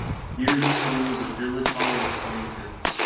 Near the school is a village hall with playing fields.